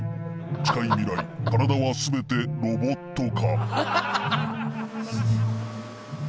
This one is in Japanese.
「近い未来体は全てロボット化！！」